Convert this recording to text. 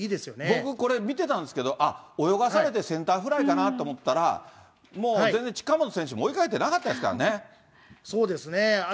僕、これ見てたんですけど、あっ、泳がされてセンターフライだなと思ったら、もう全然近本選手も追いかけてなかったですからそうですね。